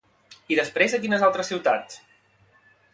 I després a quines altres ciutats?